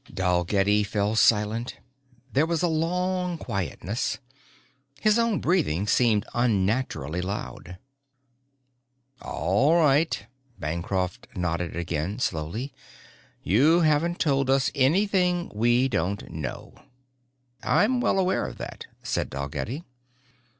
Dalgetty fell silent. There was a long quietness. His own breathing seemed unnaturally loud. "All right." Bancroft nodded again, slowly. "You haven't told us anything we don't know." "I'm well aware of that," said Dalgetty.